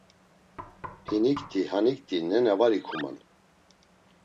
Hinikti hanikti nena var ikuman.